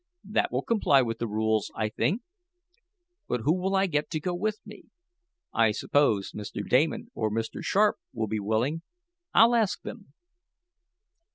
That will comply with the rules, I think. But who will I get to go with me? I suppose Mr. Damon or Mr. Sharp will be willing. I'll ask them."